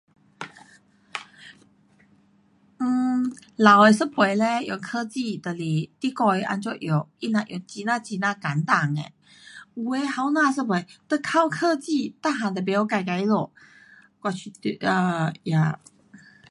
um 老一辈有科技就你教他怎么用他们用很很简单的有的年轻怎么样靠科技什么事也不会自己做